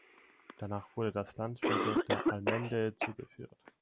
Danach wurde das Land wieder der Allmende zugeführt.